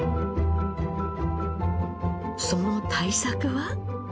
その対策は？